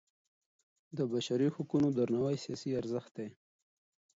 د بشري حقونو درناوی سیاسي ارزښت دی